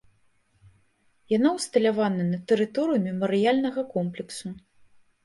Яна ўсталяваная на тэрыторыі мемарыяльнага комплексу.